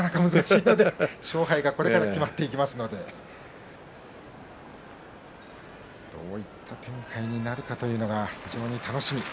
勝敗がこれから決まっていきますのでどういった展開になるかというのが非常に楽しみ。